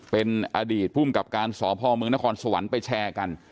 เป็นอดีตภูมิกับการสพมนครสวรรค์ไปแชร์กัน